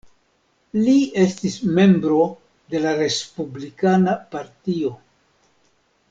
Li estis membro de la Respublikana Partio.